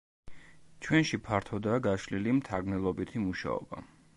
ჩვენში ფართოდაა გაშლილი მთარგმნელობითი მუშაობა.